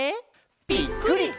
ぴっくり！